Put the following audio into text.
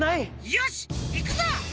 よしいくぞ！